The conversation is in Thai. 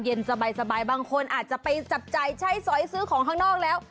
เย็นสบายบางคนอาจจะไปจับจ่ายใช้สอยซื้อของข้างนอกแล้ว